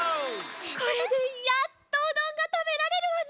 これでやっとうどんがたべられるわね！